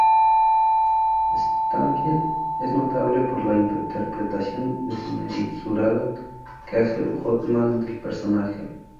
Stansfield es notable por la interpretación desmesurada que hace Oldman del personaje.